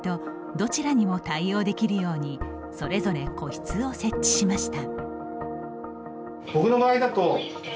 どちらにも対応できるようにそれぞれ個室を設置しました。